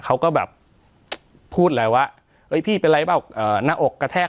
เขาก็แบบพูดอะไรวะเอ้ยพี่เป็นไรเปล่าเอ่อหน้าอกกระแทก